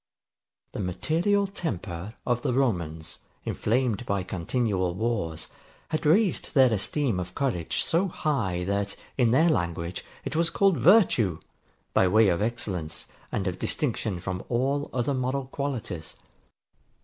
The material temper of the Romans, inflamed by continual wars, had raised their esteem of courage so high, that, in their language, it was called VIRTUE, by way of excellence and of distinction from all other moral qualities.